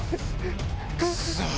クソ！